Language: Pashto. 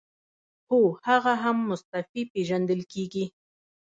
هو هغه هم مستعفي پیژندل کیږي.